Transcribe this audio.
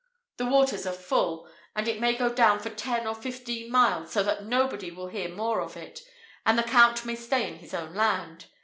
The waters are full, and it may go down for ten or fifteen miles, so that nobody will hear more of it, and the Count may stay in his own land.